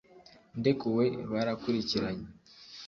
ndekuwe, barakurikiranye